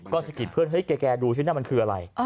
ก็สะกิดเพื่อนเฮ้ยแกดูสินั่นมันคืออะไร